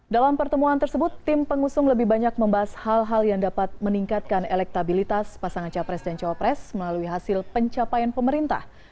dalam pertemuan tersebut tim pengusung lebih banyak membahas hal hal yang dapat meningkatkan elektabilitas pasangan capres dan cawapres melalui hasil pencapaian pemerintah